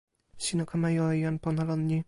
sina kama jo e jan pona lon ni.